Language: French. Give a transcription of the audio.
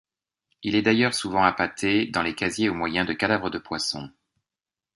Il est d'ailleurs souvent appâté dans les casiers au moyen de cadavres de poissons.